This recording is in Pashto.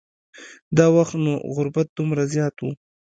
دا وخت نو غربت دومره زیات و.